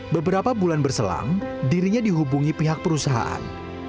beberapa bulan berselang dirinya dihubungi pihak perusahaan